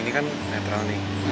ini kan netral nih